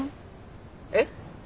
えっ？